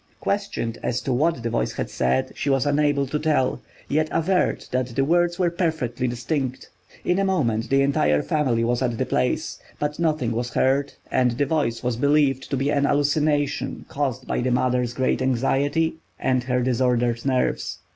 Questioned as to what the voice had said, she was unable to tell, yet averred that the words were perfectly distinct. In a moment the entire family was at the place, but nothing was heard, and the voice was believed to be an hallucination caused by the mother's great anxiety and her disordered nerves.